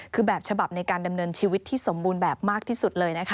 คือแบบฉบับในการดำเนินชีวิตที่สมบูรณ์แบบมากที่สุดเลยนะคะ